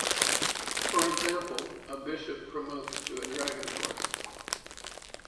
For example, a bishop promotes to a dragon horse.